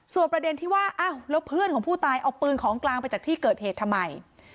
ส่วนประเด็นที่ว่าอ้าวแล้วเพื่อนของผู้ตายเอาปืนของกลางไปจากที่เกิดเหตุทำไม